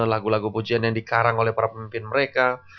lagu lagu pujian yang dikarang oleh para pemimpin mereka